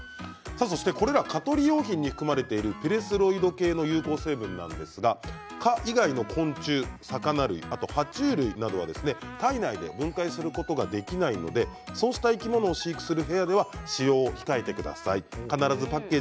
そしてこれら蚊取り用品に含まれているピレスロイド系の有効成分ですが蚊以外の昆虫魚類、は虫類などは体内で分解することができないので、そうした生き物を飼育する部屋では使用を控えてください。